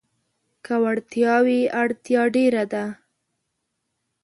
که وړتيا وي، اړتيا ډېره ده.